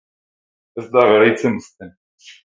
Ez da garaitzen uzten.